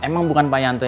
yang salah eingge validity